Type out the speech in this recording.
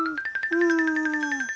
うん！